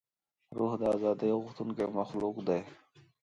روح د ازادۍ غوښتونکی مخلوق دی.